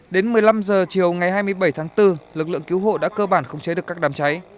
đến một mươi năm h chiều ngày hai mươi bảy tháng bốn lực lượng cứu hộ đã cơ bản khống chế được các đám cháy